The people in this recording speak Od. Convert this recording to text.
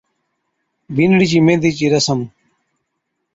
بِينڏڙِي چِي ميھندِي چِي رسم